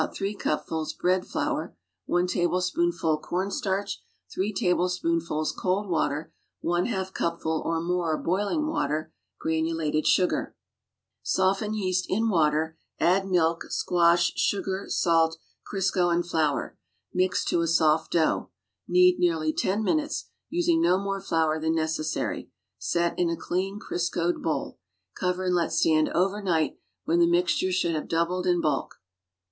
K cupful cooked squash 3 tablespoonfuls cold water ^ cupful brown sugar J^ cupful or more boiling water }2 teaspoonful salt granulated sugar Soften yeast in water, add milk, squash, sugar, sail, Crisco and flour. Mix to a soft dough. Knead nearly ten minutes, using no more flour than necessary, set in a clean, Criscoed bowl. Cover and let stand overnight, when the mix ture should have doubled in bulk.